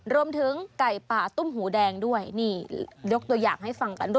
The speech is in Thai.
รวมถึงไก่ป่าตุ้มหูแดงด้วยนี่ยกตัวอย่างให้ฟังกันด้วย